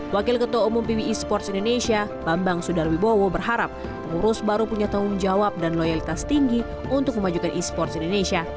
wakil ketua umum pb e sports indonesia bambang sudarwibowo berharap pengurus baru punya tanggung jawab dan loyalitas tinggi untuk memajukan e sports indonesia